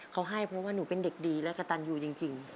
เขาให้เพราะว่าหนูเป็นเด็กดีและกระตันอยู่จริง